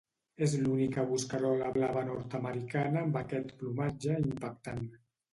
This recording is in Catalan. És l'única bosquerola blava nord-americana amb aquest plomatge impactant.